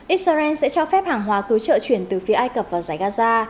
israel sẽ cho phép hàng hóa cứu trợ chuyển từ phía ai cập vào giải gaza